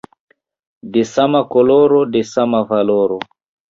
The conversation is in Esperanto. De sama koloro, de sama valoro.